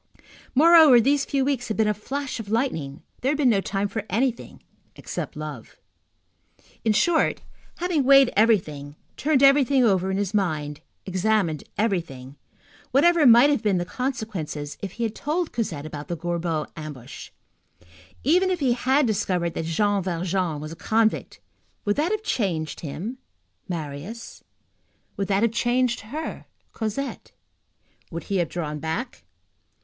Moreover, these few weeks had been a flash of lightning; there had been no time for anything except love. In short, having weighed everything, turned everything over in his mind, examined everything, whatever might have been the consequences if he had told Cosette about the Gorbeau ambush, even if he had discovered that Jean Valjean was a convict, would that have changed him, Marius? Would that have changed her, Cosette? Would he have drawn back?